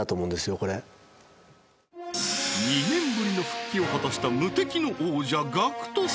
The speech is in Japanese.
これ２年ぶりの復帰を果たした無敵の王者ＧＡＣＫＴ様